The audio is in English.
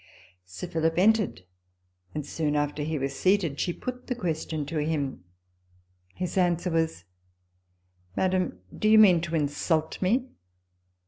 Sir Philip entered, and, soon after he was seated, she put the question to him. His answer was, " Madam, do you mean to insult me